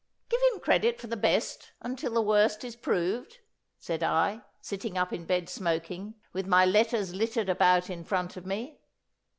'Give him credit for the best until the worst is proved,' said I, sitting up in bed smoking, with my letters littered about in front of me.